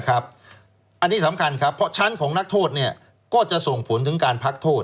อันนี้สำคัญครับเพราะชั้นของนักโทษก็จะส่งผลถึงการพักโทษ